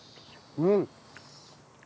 うん。